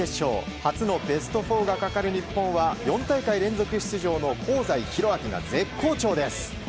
初のベスト４がかかる日本は４大会連続出場の香西宏昭が絶好調です。